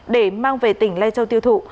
để mang về tỉnh lai châu tiêu thụ